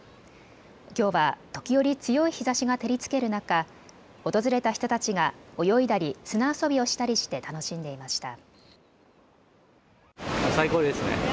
きょうは時折、強い日ざしが照りつける中、訪れた人たちが泳いだり砂遊びをしたりして楽しんでいました。